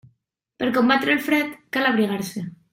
Per combatre el fred, cal abrigar-se.